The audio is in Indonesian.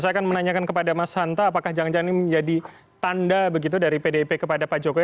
saya akan menanyakan kepada mas hanta apakah jangan jangan ini menjadi tanda begitu dari pdip kepada pak jokowi